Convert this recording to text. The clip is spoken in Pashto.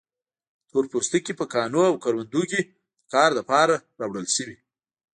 تور پوستکي په کانونو او کروندو کې د کار لپاره راوړل شوي.